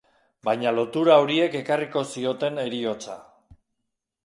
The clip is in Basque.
Baina lotura horiek ekarriko zioten heriotza.